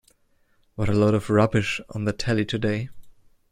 What a load of rubbish on the telly today.